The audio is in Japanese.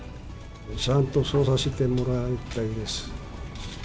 ちゃんと捜査してもらいたいです。